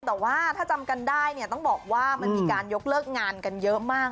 แต่ว่าถ้าจำกันได้เนี่ยต้องบอกว่ามันมีการยกเลิกงานกันเยอะมาก